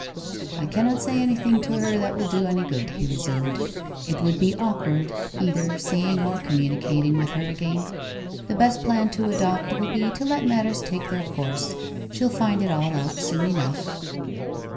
'I cannot say anything to her that will do any good,' he resumed. 'It would be awkward either seeing or communicating with her again. The best plan to adopt will be to let matters take their course she'll find it all out soon enough.